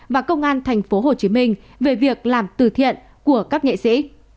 và công an tp hcm về việc làm từ thiện của các nghệ sĩ